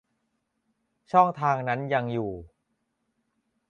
ช่องทางนั้นยังอยู่